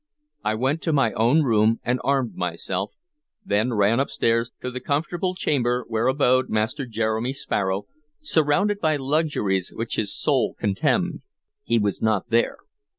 I went to my own room and armed myself; then ran upstairs to the comfortable chamber where abode Master Jeremy Sparrow, surrounded by luxuries which his soul contemned. He was not there.